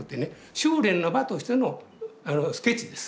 修練の場としてのスケッチです。